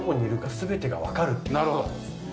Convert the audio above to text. なるほど！